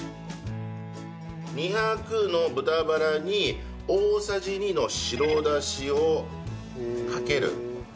２００の豚バラに大さじ２の白だしをかける。